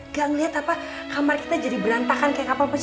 gak ngeliat apa kamar kita jadi berantakan kayak apa sih